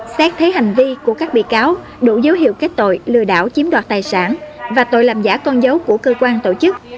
xét thấy hành vi của các bị cáo đủ dấu hiệu kết tội lừa đảo chiếm đoạt tài sản và tội làm giả con dấu của cơ quan tổ chức